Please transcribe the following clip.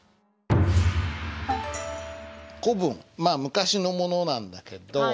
古文まあ昔のものなんだけど。